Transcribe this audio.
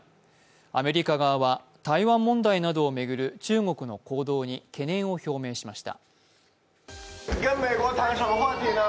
アメリカ側は台湾問題などを巡る中国の行動に懸念を表明しました。